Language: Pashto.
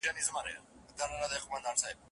هغه کيسې د چڼچڼيو د وژلو کړلې